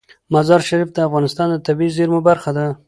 مزارشریف د افغانستان د طبیعي زیرمو برخه ده.